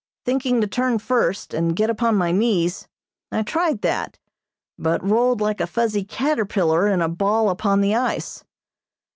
Thinking to turn first, and get upon my knees, I tried that, but rolled like a fuzzy caterpillar in a ball upon the ice.